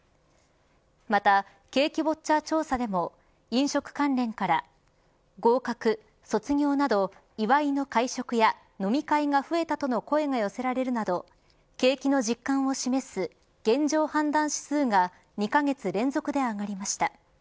また、景気ウォッチャー調査でも飲食関連から合格、卒業など祝いの会食や飲み会が増えたとの声が寄せられるなど景気の実感を示す現状判断指数が２カ月連続で上がりました。